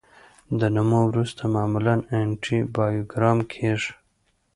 د نمو وروسته معمولا انټي بایوګرام کیږي.